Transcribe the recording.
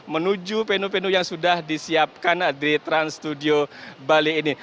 menuju venue venue yang sudah disiapkan di trans studio bali ini